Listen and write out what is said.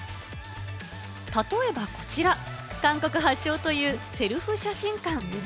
例えばこちら、韓国発祥というセルフ写真館。